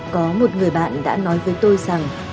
có một người bạn đã nói với tôi rằng